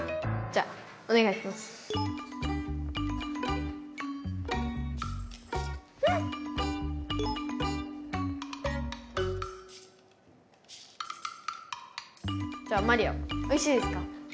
じゃあマリアおいしいですか？